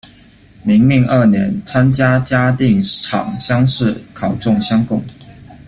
明命二年，参加嘉定场乡试，考中乡贡。